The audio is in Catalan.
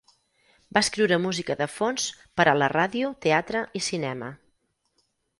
Va escriure música de fons per a la ràdio, teatre i cinema.